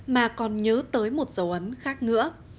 mà còn nhớ tới một dấu ấn khác nữa